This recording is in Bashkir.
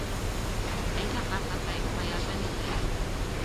Әйҙә, ҡартатай, уға ярҙам итәйек.